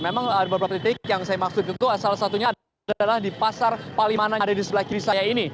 memang ada beberapa titik yang saya maksud itu salah satunya adalah di pasar palimanan yang ada di sebelah kiri saya ini